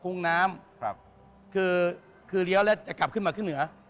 ุ้งน้ำครับคือคือเลี้ยวแล้วจะกลับขึ้นมาขึ้นเหนือ